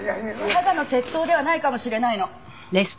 ただの窃盗ではないかもしれないの！